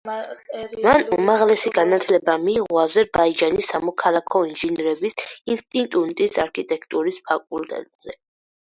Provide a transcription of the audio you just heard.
მან უმაღლესი განათლება მიიღო აზერბაიჯანის სამოქალაქო ინჟინრების ინსტიტუტის არქიტექტურის ფაკულტეტზე.